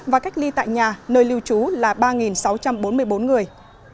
và cách ly tại nhà nơi lưu trú là ba sáu trăm bốn mươi bốn người